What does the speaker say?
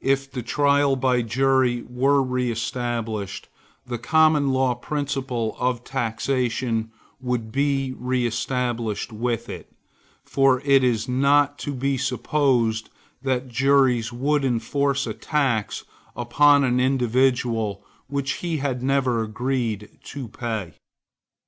If the trial by jury were reestablished, the Common Law principle of taxation would be reestablished with it; for it is not to be supposed that juries would enforce a tax upon an individual which he had never agreed to pay.